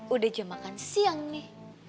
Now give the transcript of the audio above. udah jam makan siang nih